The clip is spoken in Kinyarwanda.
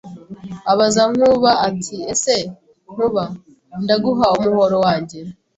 abaza Nkuba ati ese Nkuba ndaguha umuhoro wanjye